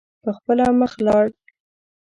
په خپله مخ لاړ.